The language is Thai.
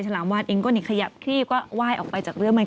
ลามวานเองก็นี่ขยับครีบก็ไหว้ออกไปจากเรื่องมัน